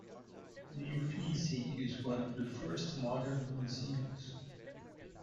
The Uffizi is one of the first modern museums.